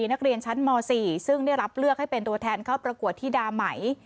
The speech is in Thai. นักเรียนชั้นม๔ซึ่งได้รับเลือกให้เป็นตัวแทนเข้าประกวดที่ดาไหม